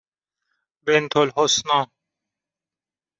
بِنتالحسنی